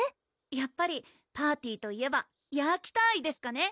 やっぱりパーティーといえばヤーキターイですかね